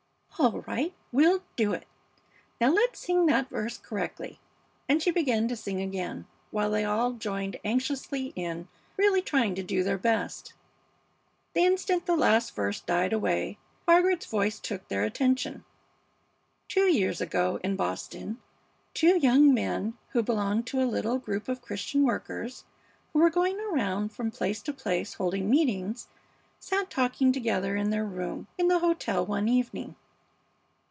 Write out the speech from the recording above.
"All right; we'll do it! Now let's sing that verse correctly." And she began to sing again, while they all joined anxiously in, really trying to do their best. The instant the last verse died away, Margaret's voice took their attention. "Two years ago in Boston two young men, who belonged to a little group of Christian workers who were going around from place to place holding meetings, sat talking together in their room in the hotel one evening."